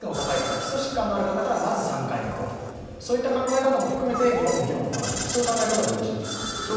基礎疾患のある方からまず３回目と、それを踏まえて日本も議論を行うという考え方でよろしいでしょうか？